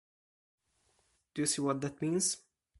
D'you see what that means?